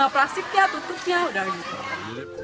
plastiknya tutupnya udah gitu